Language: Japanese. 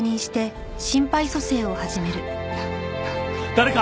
誰か！